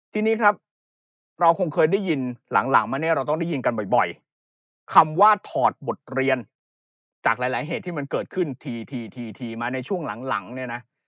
ทีนี้ครับเราคงเคยได้ยินหลังมาเนี่ยเราต้องได้ยินกันบ่อยคำว่าถอดบทเรียนจากหลายเหตุที่มันเกิดขึ้นทีมาในช่วงหลังเนี่ยนะ